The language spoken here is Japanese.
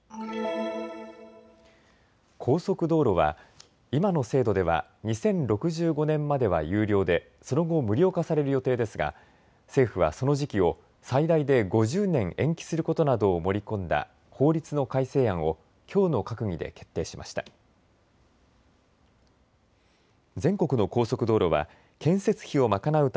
高速道路は今の制度では２０６５年までは有料でその後、無料化される予定ですが政府はその時期を最大で５０年延期することなどを盛り込んだ法律の改正案をきょうの閣議で決定しました。